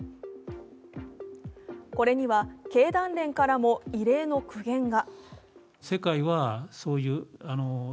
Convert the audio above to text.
これには経団連からも異例の苦言が。